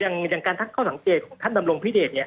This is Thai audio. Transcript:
อย่างการทักข้อสังเกตของท่านดำรงพิเดชเนี่ย